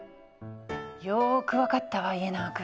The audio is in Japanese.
よく分かったわ家長君。